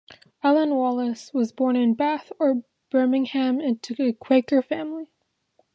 Ellen Wallace was born in Bath or Birmingham into a Quaker family.